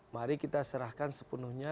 mari kita serahkan sepenuhnya